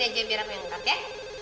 disini aja biar aku yang ngangkat ya